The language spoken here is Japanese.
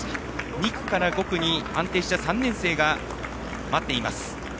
２区から５区に安定した３年生が待っています。